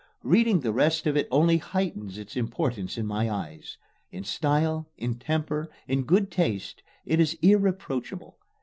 Reading the rest of it only heightens its importance in my eyes. In style, in temper, in good taste, it is irreproachable.